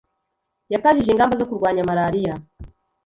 yakajije ingamba zo kurwanya malariya